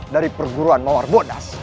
dari perguruan mawar bodas